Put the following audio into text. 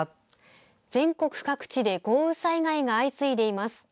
全国各地で豪雨災害が相次いでいます。